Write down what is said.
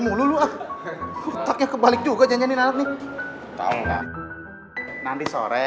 mulu lu ah otaknya kebalik juga janjinan nih tahu nggak nanti